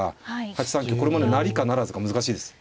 ８三香これもね成りか不成か難しいです。